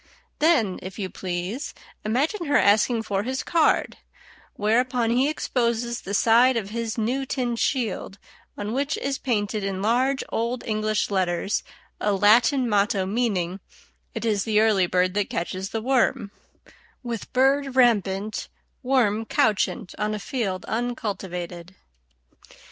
Then, if you please, imagine her asking for his card, whereupon he exposes the side of his new tin shield, on which is painted in large Old English letters a Latin motto meaning, "It is the early bird that catches the worm," with bird rampant, worm couchant on a field uncultivated.